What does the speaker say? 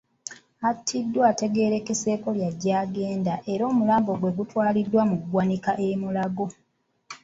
Eyattiddwa ategeerekeseeko lya Gyagenda era omulambo gwe gutwaliddwa mu ggwanika e Mulago.